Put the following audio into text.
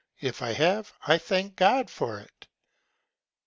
If I have, I thank God for it.